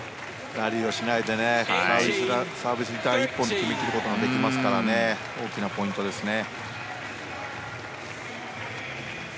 ラリーをしないでねサービス、リターン１本で決めきることができますから大きなポイントですね。